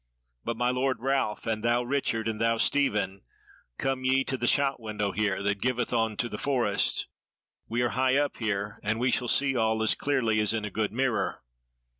But my Lord Ralph, and thou Richard, and thou Stephen, come ye to the shot window here, that giveth on to the forest. We are high up here, and we shall see all as clearly as in a good mirror.